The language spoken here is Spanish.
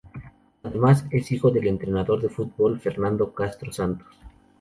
Además, es hijo del entrenador de fútbol Fernando Castro Santos.